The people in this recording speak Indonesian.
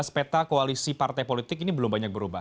peta koalisi partai politik ini belum banyak berubah